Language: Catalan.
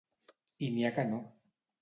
I n'hi ha que no.